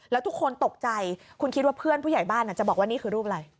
แล้วทุกคนตกใจคุณคิดว่าเพื่อนผู้ใหญ่บ้านจะบอกว่านี่คือรูปอะไร